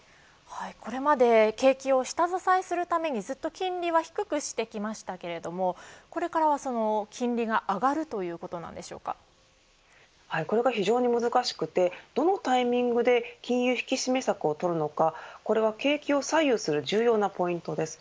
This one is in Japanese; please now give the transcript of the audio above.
これまで景気を下支えするためにずっと金利は低くしてきましたがこれからは金利が上がるこれが非常に難しくてどのタイミングで金融引き締め策をとるのかこれは景気を左右する重要なポイントです。